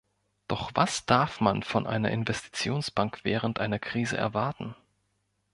Doch was darf man von einer Investitionsbank während einer Krise erwarten?